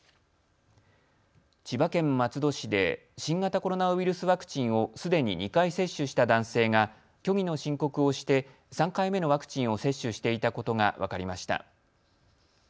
千葉県松戸市で新型コロナウイルスワクチンをすでに２回接種した男性が虚偽の申告をして３回目のワクチンを接種していたことが分かりました。